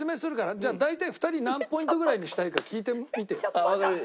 大体２人何ポイントぐらいにしたいか聞いてみてよ。